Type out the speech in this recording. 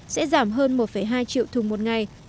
sẽ giảm hơn một hai triệu thùng một ngày